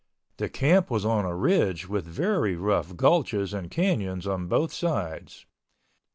The camp was on a ridge with very rough gulches and canyons on both sides.